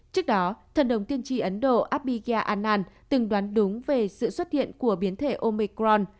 trước đó thần đồng tiên tri ấn độ abhigya anand từng đoán đúng về sự xuất hiện của biến thể omicron